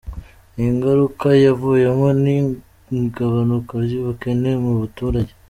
Ingaruka yavuyemo ni igabanuka ry’ubukene mu baturage”.